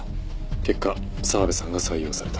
結果澤部さんが採用された。